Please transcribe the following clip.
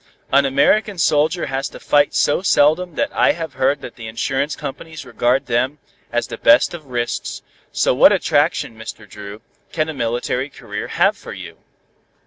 "An American soldier has to fight so seldom that I have heard that the insurance companies regard them as the best of risks, so what attraction, Mr. Dru, can a military career have for you?"